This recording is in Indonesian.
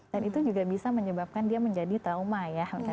dan itu juga bisa menyebabkan dia menjadi trauma ya